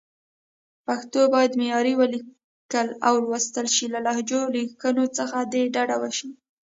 پښتو باید معیاري ولیکل او ولوستل شي، له لهجوي لیکنو څخه دې ډډه وشي.